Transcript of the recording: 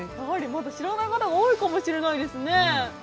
まだ知らない方が多いかもしれないですね。